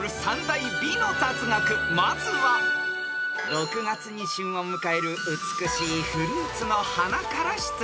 ［６月に旬を迎える美しいフルーツの花から出題］